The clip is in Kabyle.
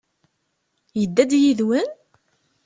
Yedda-d yid-wen?